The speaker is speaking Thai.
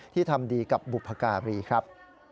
ที่ทำดีกับบุภกาบรีครับ